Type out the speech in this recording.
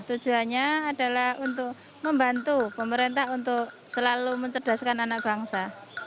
tujuannya adalah untuk membantu pemerintah untuk selalu mencerdaskan anak bangsa